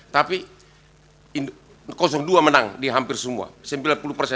tapi dua menang di hampir semua